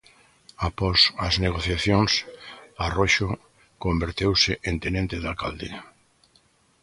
Após as negociacións, Arroxo converteuse en tenente de alcalde.